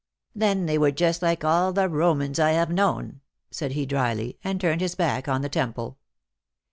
"Then they were just like all the Romans I have known," said he dryly, and turned his back on the temple.